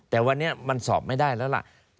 แต่วันนี้มันสอบไม่ได้แล้วล่ะ